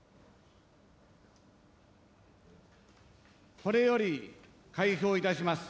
これより開票いたします。